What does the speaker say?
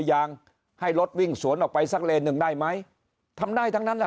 ยางให้รถวิ่งสวนออกไปสักเลนหนึ่งได้ไหมทำได้ทั้งนั้นแหละ